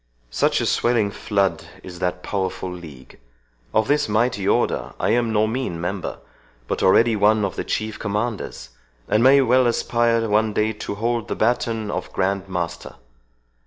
Such a swelling flood is that powerful league. Of this mighty Order I am no mean member, but already one of the Chief Commanders, and may well aspire one day to hold the batoon of Grand Master.